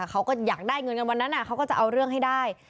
เขาก็อยากได้เงินกันวันนั้นเขาก็จะเอาเรื่องให้ได้